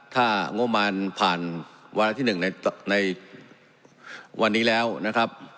ถ้างบมารผ่านวาระที่๑ในวันนี้แล้วนะครับ